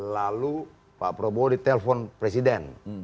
lalu pak prabowo ditelepon presiden